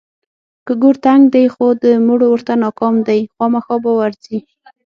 که ګور تنګ دی خو د مړو ورته ناکام دی، خوامخا به ورځي.